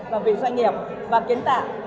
và việc doanh nghiệp và kiến tạo